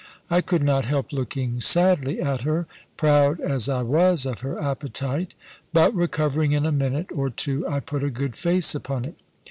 I could not help looking sadly at her, proud as I was of her appetite. But, recovering in a minute or two, I put a good face upon it.